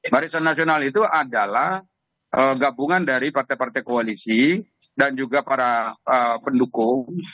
barisan nasional itu adalah gabungan dari partai partai koalisi dan juga para pendukung